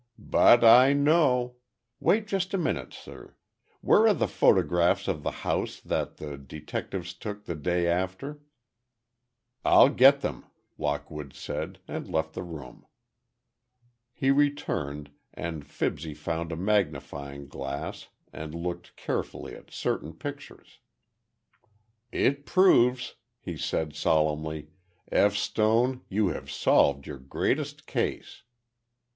"But I know. Wait just a minute, sir. Where are the photographs of the house that the detectives took the day after?" "I'll get them," Lockwood said, and left the room. He returned, and Fibsy found a magnifying glass and looked carefully at certain pictures. "It proves," he said, solemnly. "F. Stone, you have solved your greatest case!"